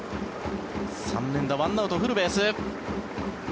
３連打１アウト、フルベース。